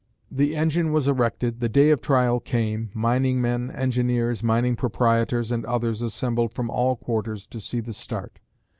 The engine was erected, the day of trial came, mining men, engineers, mining proprietors and others assembled from all quarters to see the start.